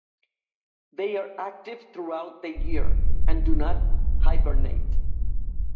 They are active throughout the year, and do not hibernate.